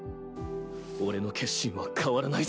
俺の決心は変わらないぞ。